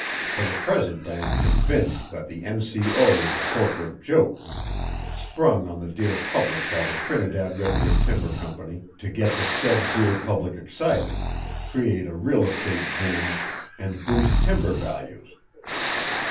For the present I am convinced that the N.C.O. is a corporate joke, sprung on the dear public by the Trinidad Redwood Timber Company to get the said dear public excited, create a real estate boom, and boost timber values.